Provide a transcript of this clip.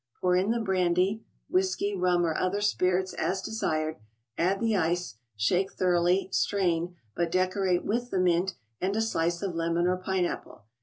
Pour in the brandy (whiskey, rum, or other spirits, as desired), add the ice, shake thoroughly, strain, but decorate with the mint and a slice of lemon or pine apple.